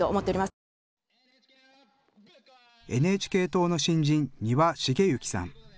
ＮＨＫ党の新人、丹羽茂之さん。